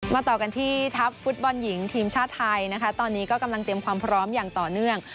ต่อกันที่ทัพฟุตบอลหญิงทีมชาติไทยนะคะตอนนี้ก็กำลังเตรียมความพร้อมอย่างต่อเนื่อง